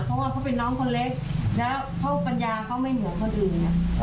เพราะว่าเขาเป็นน้องคนเล็กแล้วเพราะปัญญาเขาไม่เหมือนคนอื่น